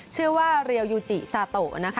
ชื่อว่าเรียวยูจิซาโตนะคะ